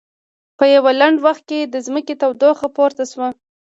په یوه لنډ وخت کې د ځمکې تودوخه پورته شوه.